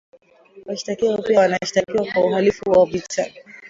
washtakiwa hao pia wanashtakiwa kwa uhalifu wa vita